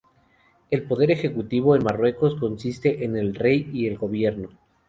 El poder ejecutivo en Marruecos consiste en El Rey y el Gobierno.